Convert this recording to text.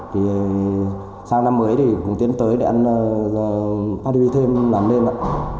thì sáng năm mới thì cũng tiến tới để ăn party thêm làm nên ạ